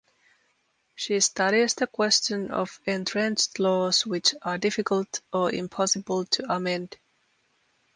She studies the question of entrenched laws which are difficult or impossible to amend.